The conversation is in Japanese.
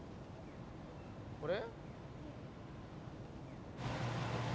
これ？